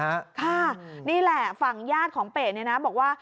ค่ะนี่แหละฝั่งญาติของเป๋เนี่ยนะบอกว่า